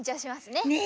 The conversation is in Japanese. ねえ！